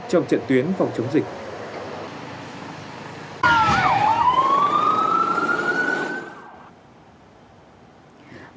trong trận tuyến phòng chống dịch